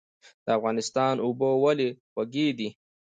د افغانستان اوبه ولې خوږې دي؟